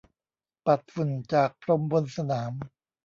ปัดฝุ่นจากพรมบนสนาม